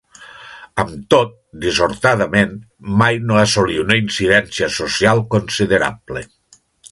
Amb tot, dissortadament, mai no assolí una incidència social considerable.